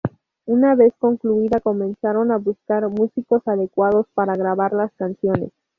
Una vez concluida, comenzaron a buscar músicos adecuados para grabar las canciones.